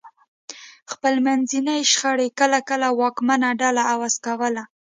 خپلمنځي شخړې کله کله واکمنه ډله عوض کوله